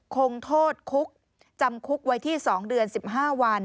คงโทษคุกจำคุกไว้ที่๒เดือน๑๕วัน